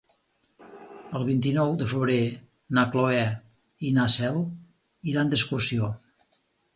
El vint-i-nou de febrer na Cloè i na Cel iran d'excursió.